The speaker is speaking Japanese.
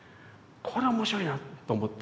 これは面白いなぁと思って。